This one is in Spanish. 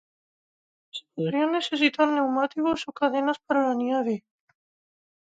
Se podrían necesitar neumáticos o cadenas para la nieve.